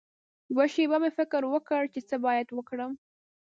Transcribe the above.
یوه شېبه مې فکر وکړ چې څه باید وکړم.